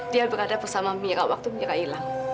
dia berada bersama mira waktu menyerah hilang